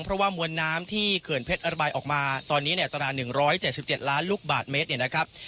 เพราะว่ามวลน้ำที่เขินเพชรอบายออกมาตอนนี้เนี่ยตราหนึ่งร้อยเจ็ดสิบเจ็ดล้านลูกบาทเมตรเนี่ยนะครับ